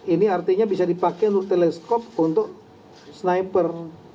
ini artinya bisa dipakai untuk teleskop untuk sniper